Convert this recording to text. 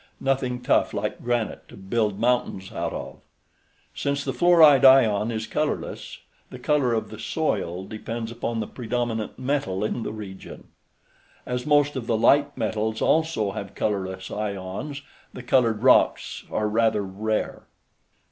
Nothing tough like granite to build mountains out of. Since the fluoride ion is colorless, the color of the soil depends upon the predominant metal in the region. As most of the light metals also have colorless ions, the colored rocks are rather rare.